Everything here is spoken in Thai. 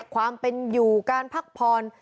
ความเป็นอยู่การพักผ่อน